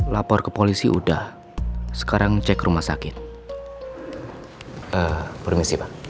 lapor ke polisi udah sekarang cek rumah sakit permisi pak